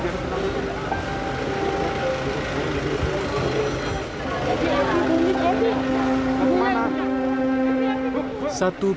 tunggu tunggu ya tunggu tunggu ya